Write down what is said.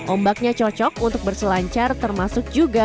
ombaknya cocok untuk berselancar termasuk juga